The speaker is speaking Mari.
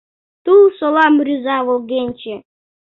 Тул солам рӱза волгенче.